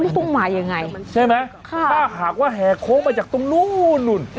ต้องมายังไงใช่ไหมค่ะถ้าหากว่าแห่โค้งมาจากตรงนู้นนู่น